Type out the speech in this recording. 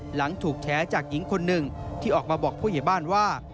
หลังถูกแฉจากหญิงคนหนึ่งที่ออกมาบอกผู้ใหญ่บ้านว่า